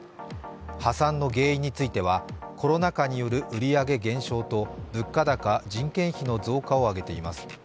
破産の原因については、コロナ禍による売上減少と物価高、人件費の上昇を挙げています。